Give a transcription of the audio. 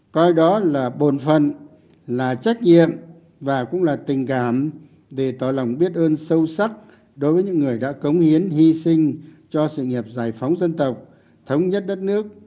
coi đó là bộn phận là trách nhiệm và cũng là tình cảm để tỏ lòng biết ơn sâu sắc đối với những người đã cống hiến hy sinh cho sự nghiệp giải phóng dân tộc thống nhất đất nước